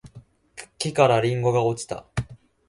木からりんごが落ちた